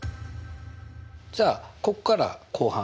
じゃあここから後半。